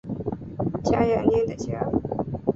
加雅涅的家。